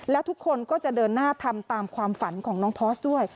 แล้วทุกคนก็จะเดินหน้าทำตามความฝันของน้องพอร์สด้วย